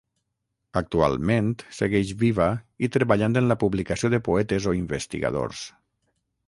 Actualment, segueix viva i treballant en la publicació de poetes o investigadors.